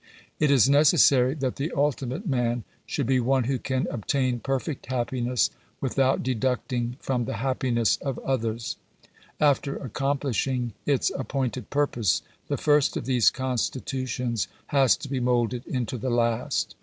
It is necessary that the ultimate man should be one who can obtain perfect happiness without deducting from the happiness of others. After accom plishing its appointed purpose, the first of these constitutions has to be moulded into the last.